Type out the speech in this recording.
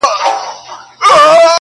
• د نقاش په قلم جوړ وو سر ترنوکه -